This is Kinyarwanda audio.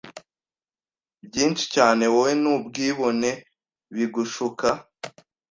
Byinshi cyane wowe nubwibone bigushuka